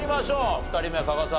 ２人目加賀さん